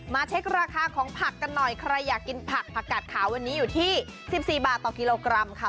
เช็คราคาของผักกันหน่อยใครอยากกินผักผักกัดขาววันนี้อยู่ที่๑๔บาทต่อกิโลกรัมค่ะ